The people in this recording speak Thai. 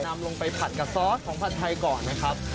นำลงไปผัดกับซอสของผัดไทยก่อนนะครับ